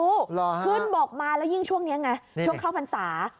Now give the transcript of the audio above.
ขึ้นบกมาแล้วยิ่งช่วงนี้ไงช่วงเข้าพรรษา